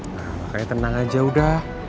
nah makanya tenang aja udah